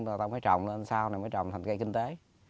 thì nó mới trồng lên sau này mới trồng thành cây kinh tế